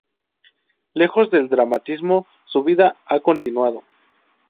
Lejos del dramatismo, su vida ha continuado.